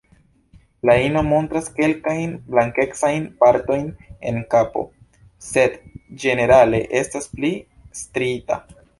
La ino montras kelkajn blankecajn partojn en kapo, sed ĝenerale estas pli striita.